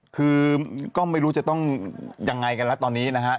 คือก็ไม่รู้จะต้องยังไงกันแล้วตอนนี้นะฮะ